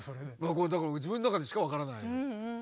これだから自分の中でしか分からない。